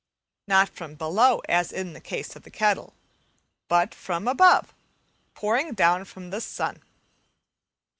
Not from below, as in the case of the kettle, but from above, pouring down from the sun.